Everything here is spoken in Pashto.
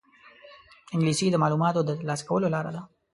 انګلیسي د معلوماتو د ترلاسه کولو لاره ده